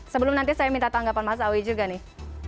sebelum nanti saya minta tanggapan mas awi juga nih